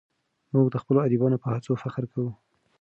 موږ د خپلو ادیبانو په هڅو فخر کوو.